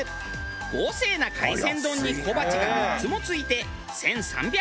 豪勢な海鮮丼に小鉢が３つも付いて１３００円。